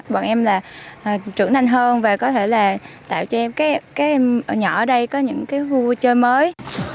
bọn em là trưởng thành hơn và có thể là tạo cho em nhỏ ở đây có những vui chơi mới